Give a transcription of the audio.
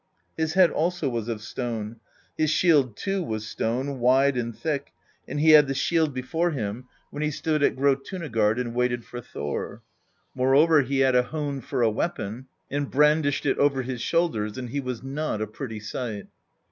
His head also was of stone; his shield too was stone, wide and thick, and he had the shield before him when he stood at Grjotunagard and waited for Thor. Moreover he had a hone for a weapon, and brandished it over his shoulders, and he was not a pretty sight.